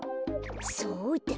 そうだ。